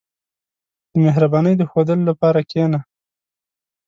• د مهربانۍ د ښوودلو لپاره کښېنه.